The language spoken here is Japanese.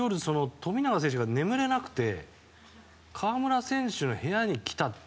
富永選手が眠れなくて河村選手の部屋に来たと。